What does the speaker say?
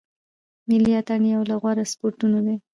ملي اټن یو له غوره سپورټو دی.